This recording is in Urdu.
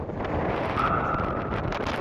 سنہالا